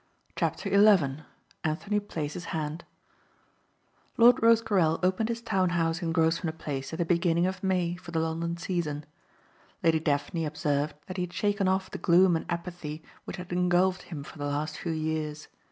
CHAPTER ELEVEN ANTHONY PLAYS HIS HAND Lord Rosecarrel opened his town house in Grosvenor Place at the beginning of May for the London season. Lady Daphne observed that he had shaken off the gloom and apathy which had engulfed him for the last few years.